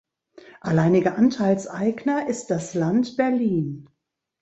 Alleiniger Anteilseigner ist das Land Berlin.